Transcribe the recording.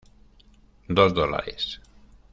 Dos dólares".